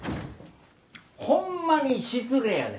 ほんまに失礼やで。